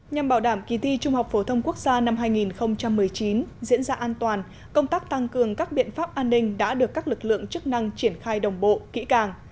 nhằm bảo đảm kỳ thi trung học phổ thông quốc gia năm hai nghìn một mươi chín diễn ra an toàn công tác tăng cường các biện pháp an ninh đã được các lực lượng chức năng triển khai đồng bộ kỹ càng